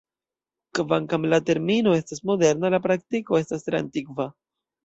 Kvankam la termino estas moderna, la praktiko estas antikva.